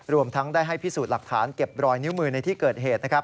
รวมทั้งได้ให้พิสูจน์หลักฐานเก็บรอยนิ้วมือในที่เกิดเหตุนะครับ